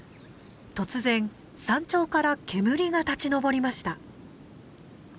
突然山頂から煙が立ち上りました。